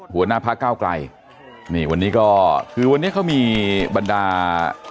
หัวหน้าพระเมฆกลยขณะวันนี้ก็ที่วันนี้เขามีบรรดา